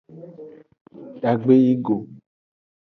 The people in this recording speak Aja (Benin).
Dagbe yi go.